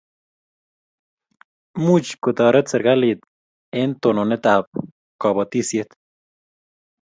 Much ko taret serikalit eng' tononet ab kabatishet